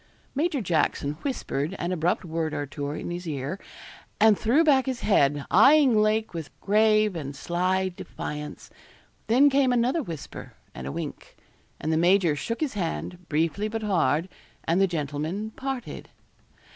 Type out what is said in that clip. Major Jackson whispered an abrupt word or two in his ear, and threw back his head, eyeing Lake with grave and sly defiance. Then came another whisper and a wink; and the major shook his hand, briefly but hard, and the gentlemen parted.